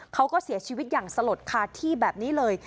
เขาก็เสียชีวิตอย่างสลดคาที่แบบนี้เลย